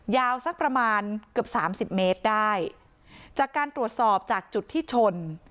ยาวสักประมาณเกือบสามสิบเมตรได้จากการตรวจสอบจากจุดที่ชน